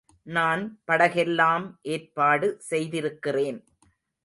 நான் படகெல்லாம் ஏற்பாடு செய்திருக்கிறேன்.